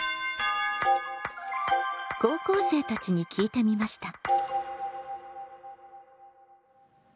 高校生たちに聞いてみました。